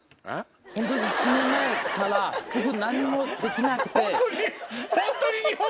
１年前から僕何もできなくて。